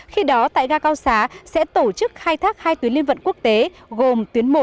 khi đó tại ga cao xá sẽ tổ chức khai thác hai tuyến liên vận quốc tế gồm tuyến một